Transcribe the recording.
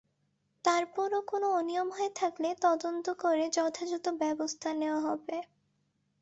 তার পরও কোনো অনিয়ম হয়ে থাকলে তদন্ত করে যথাযথ ব্যবস্থা নেওয়া হবে।